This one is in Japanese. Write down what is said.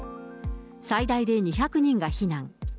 最大で２００人が避難。